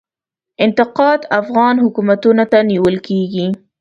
انتقاد افغان حکومتونو ته نیول کیږي.